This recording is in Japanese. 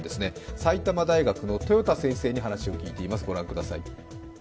埼玉大学の豊田先生に話を聞いています。